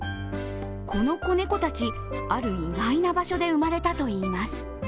この子猫たち、ある意外な場所で生まれたといいます。